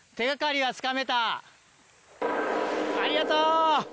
ありがとう！